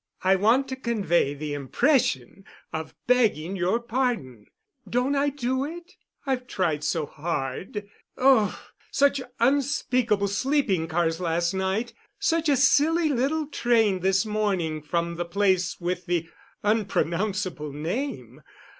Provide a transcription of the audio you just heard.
I want to convey the impression of begging your pardon. Don't I do it? I've tried so hard. Ugh! Such unspeakable sleeping cars last night! Such a silly little train this morning from the place with the unpronounceable name.